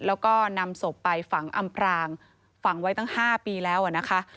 แล้วก็นำศพไปฝังอำพรางฝังไว้ตั้ง๕ปีแล้วนะคะ